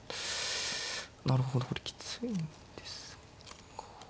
なるほどこれきついんですか。